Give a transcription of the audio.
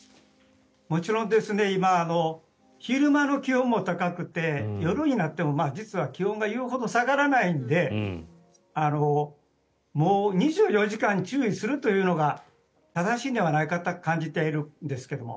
もちろん今、昼間の気温も高くて夜になっても実は気温が言うほど下がらないのでもう２４時間注意するというのが正しいんではないかと感じているんですけれど。